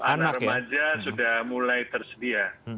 anak remaja sudah mulai tersedia